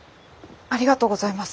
ありがとうございます。